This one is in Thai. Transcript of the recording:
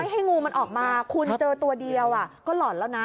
ให้งูมันออกมาคุณเจอตัวเดียวก็หล่อนแล้วนะ